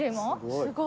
すごい。